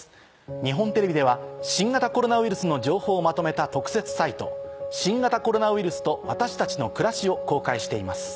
日本テレビでは新型コロナウイルスの情報をまとめた特設サイト。を公開しています。